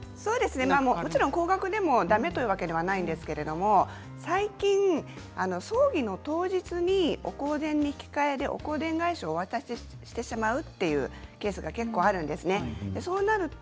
もちろん高額ではだめというわけではないんですが最近、葬儀の当日にお香典と引き換えでお香典返しを渡してしまうケースが結構あるんですね。